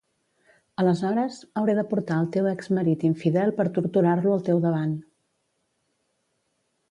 Aleshores, hauré de portar el teu exmarit infidel per torturar-lo al teu davant